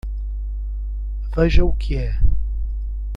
Veja o que é